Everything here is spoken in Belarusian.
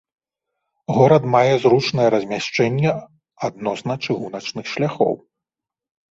Горад мае зручнае размяшчэнне адносна чыгуначных шляхоў.